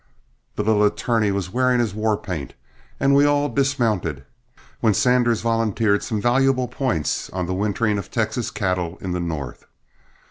The little attorney was wearing his war paint, and we all dismounted, when Sanders volunteered some valuable points on the wintering of Texas cattle in the North.